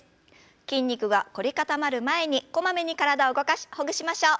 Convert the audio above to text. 筋肉が凝り固まる前にこまめに体を動かしほぐしましょう。